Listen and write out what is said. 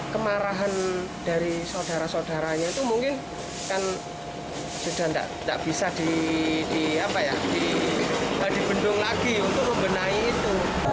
kemarahan dari saudara saudaranya itu mungkin kan sudah tidak bisa dibendung lagi untuk membenahi itu